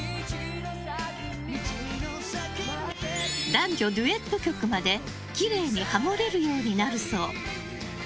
男女デュエット曲まできれいにハモれるようになるそう。